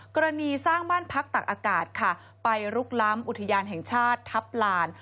กรณีสร้างบ้านพักตักอากาศค่ะไปลุกล้ำอุทยานแห่งชาติทัพลาน